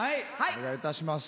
お願いたします。